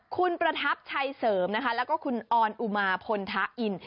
คุณประทับชัยเสริมคุณอ่อนอุมารพลทะอิ่น